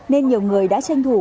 nên nhiều người đã tranh thủ